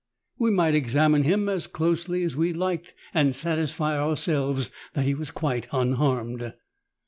We might examine him as closely as we liked and satisfy ourselves that he was quite unharmed.